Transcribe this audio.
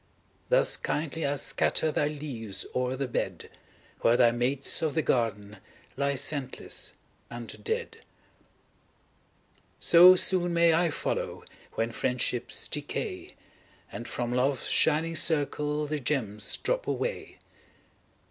Thus kindly I scatter Thy leaves o'er the bed, Where thy mates of the garden Lie scentless and dead. So soon may I follow, When friendships decay, And from Love's shining circle The gems drop away.